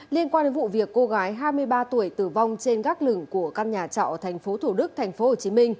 liên quan đến vụ việc cô gái hai mươi ba tuổi tử vong trên gác lửng của căn nhà trọ ở tp thủ đức tp hcm